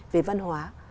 về văn hóa